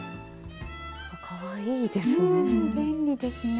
かわいいですね。